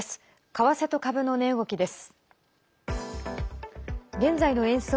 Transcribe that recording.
為替と株の値動きです。